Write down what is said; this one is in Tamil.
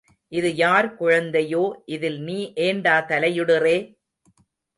இது யார் குழந்தையோ இதிலே நீ ஏண்டா தலையிடுறே...?